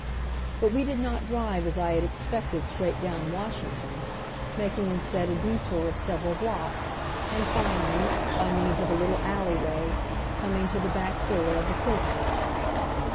But we did not drive as I had expected straight down Washington, making instead a detour of several blocks, and finally, by means of a little alleyway, coming to the back door of the prison.